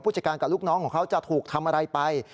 จัดการกับลูกน้องของเขาจะถูกทำอะไรไป